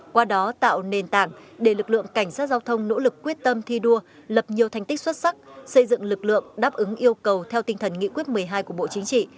qua đó tạo nền tảng để lực lượng cảnh sát giao thông nỗ lực quyết tâm thi đua lập nhiều thành tích xuất sắc xây dựng lực lượng đáp ứng yêu cầu theo tinh thần nghị quyết một mươi hai của bộ chính trị